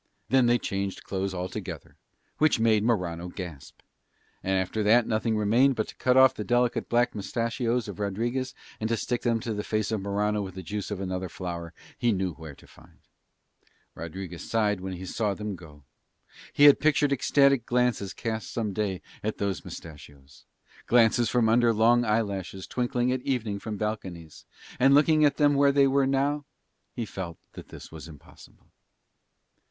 Then they changed clothes altogether, which made Morano gasp: and after that nothing remained but to cut off the delicate black moustachios of Rodriguez and to stick them to the face of Morano with the juice of another flower that he knew where to find. Rodriguez sighed when he saw them go. He had pictured ecstatic glances cast some day at those moustachios, glances from under long eyelashes twinkling at evening from balconies; and looking at them where they were now, he felt that this was impossible.